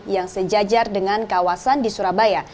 yang sejajar dengan kawasan di surabaya